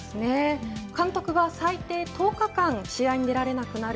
監督は最低１０日間試合に出られなくなる